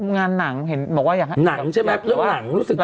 งานหนังหนังใช่ไหม